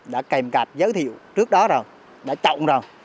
đã kèm cạp giới thiệu trước đó rồi đã trọng rồi